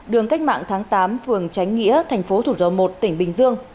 đường cách mạng tháng tám phường tránh nghĩa thành phố thủ dầu một tỉnh bình dương